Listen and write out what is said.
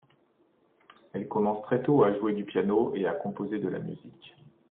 Elle commence très tôt à jouer du piano et à composer de la musique.